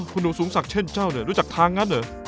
คุณหนูสูงศักดิ์เช่นเจ้าเนี่ยรู้จักทางนั้นเหรอ